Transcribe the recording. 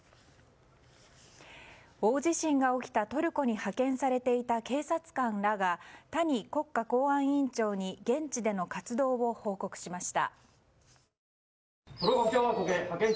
大地震が起きたトルコに派遣されていた警察官らが、谷国家公安委員長に現地での活動を報告しました。